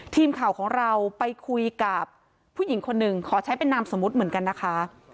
ทีมข่าวของเราไปคุยกับผู้หญิงคนหนึ่งขอใช้เป็นนามสมมุติเหมือนกันนะคะ